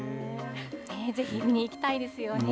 ぜひ、見に行きたいですよね。